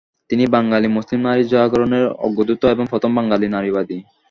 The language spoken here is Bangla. তিনি বাঙালি মুসলিম নারী জাগরণের অগ্রদূত এবং প্রথম বাঙালি নারীবাদী।